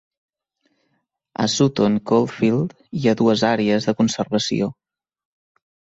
A Sutton Coldfield hi ha dues àrees de conservació.